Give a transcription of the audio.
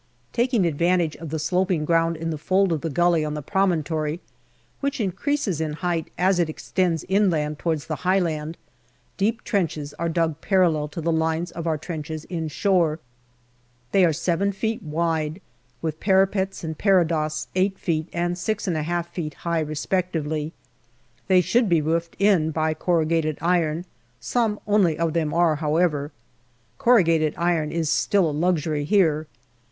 Taking advantage of the sloping ground in the fold of the gully on the promontory, which increases in height as it extends inland towards the high land, deep trenches are dug parallel to the lines of our trenches inshore. They are 7 feet wide, with parapets and parados 8 feet and 6J feet high respectively. They should be roofed in by corrugated iron ; some only of them are, however. Corru gated iron is still a luxury here.